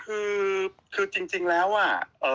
คือคือจริงแล้วอ่ะ